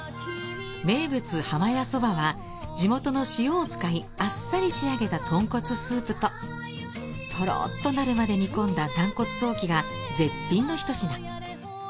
名物浜屋そばは地元の塩を使いあっさり仕上げた豚骨スープとトロッとなるまで煮込んだ軟骨ソーキが絶品のひと品。